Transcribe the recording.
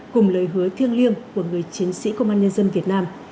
cùng lời hứa thiêng liêng của người chiến sĩ công an nhân dân việt nam